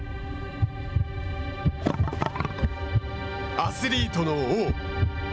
アスリートの王。